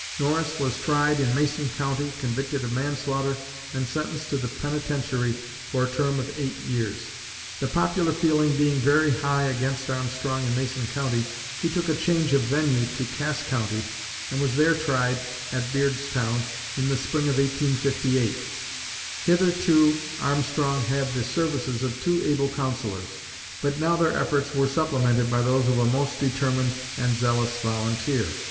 Norris was tried in Mason County, convicted of manslaughter, and sentenced to the penitentiary for a term of eight years. The popular feeling being very high against Armstrong in Mason County, he took a change of venue to Cass County, and was there tried (at Beardstown) in the spring of 1858. Hitherto Armstrong had had the services of two able counsellors; but now their efforts were supplemented by those of a most determined and zealous volunteer.